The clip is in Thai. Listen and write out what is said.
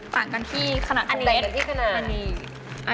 ต่างกันที่ขนาดที่เล็กกันที่ขนาด